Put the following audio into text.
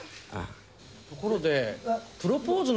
ところで。